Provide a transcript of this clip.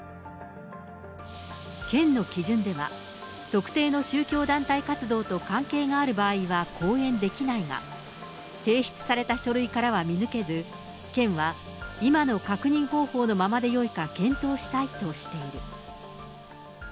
県の基準では、特定の宗教団体活動と関係がある場合は後援できないが、提出された書類からは見抜けず、県は、今の確認方法のままでよいか検討したいとしている。